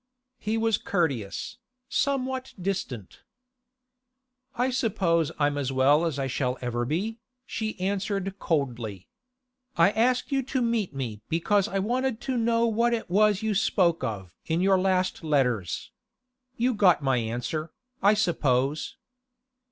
He was courteous, somewhat distant. 'I suppose I'm as well as I shall ever be,' she answered coldly. 'I asked you to meet me because I wanted to know what it was you spoke of in your last letters. You got my answer, I suppose.